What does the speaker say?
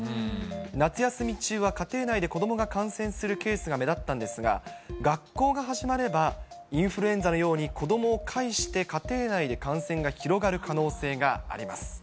夏休み中は家庭内で子どもが感染するケースが目立ったんですが、学校が始まれば、インフルエンザのように、子どもを介して、家庭内で感染が広がる可能性があります。